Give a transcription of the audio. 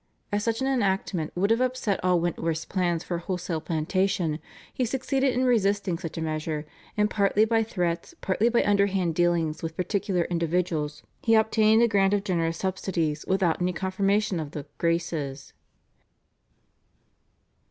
As such an enactment would have upset all Wentworth's plans for a wholesale plantation, he succeeded in resisting such a measure, and partly by threats, partly by underhand dealings with particular individuals he obtained a grant of generous subsidies without any confirmation of the "Graces."